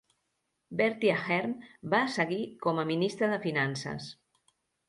Bertie Ahern va seguir com a ministre de finances.